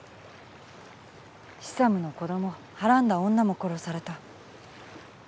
シサムの子どもはらんだ女も殺された。